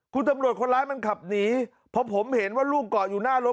คุณตำรวจคนร้ายมันขับหนีเพราะผมเห็นว่าลูกเกาะอยู่หน้ารถ